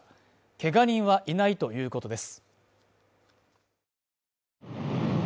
けが人はいないということです。